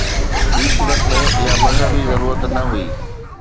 ٻي صورت ۾ اها مذهبي ضرورت نه هئي.